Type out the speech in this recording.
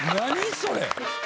それ。